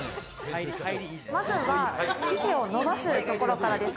まずは生地を伸ばすところからです。